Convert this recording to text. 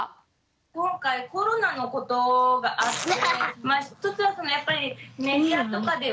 今回コロナのことがあってまあ１つはそのやっぱりメディアとかでは。